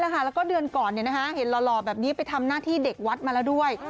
เห็นหลอแบบนี้ไปทำหน้าที่เด็กวัฒน์มาแล้วด้วย